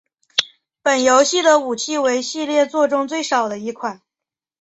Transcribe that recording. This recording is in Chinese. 本游戏的武器为系列作中最少的一款。